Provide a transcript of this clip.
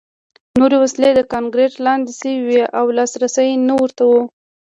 نورې وسلې د کانکریټ لاندې شوې وې او لاسرسی نه ورته و